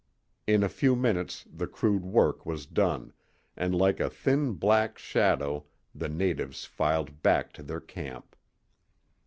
In a few minutes the crude work was done, and like a thin black shadow the natives filed back to their camp.